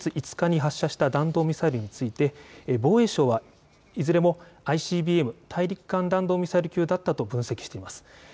北朝鮮が先月２７日と今月５日に発射した弾道ミサイルについて防衛省はいずれもＩＣＢＭ・大陸間弾道ミサイル級だったと分析しています。